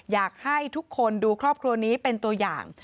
อยากให้ทุกคนดูครอบครัวนี้เป็นตัวอย่าง